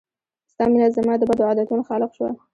ستا مينه زما د بدو عادتونو خالق شوه